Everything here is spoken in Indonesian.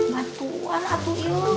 ma tuhan aku ilu